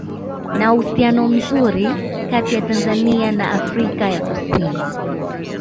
Na uhusiano mzuri kati ya Tanzania na Afrika ya kusini